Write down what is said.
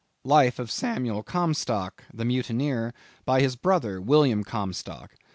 —Life of Samuel Comstock (the mutineer), _by his brother, William Comstock.